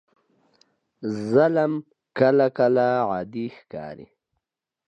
ظلم کله کله عادي ښکاري.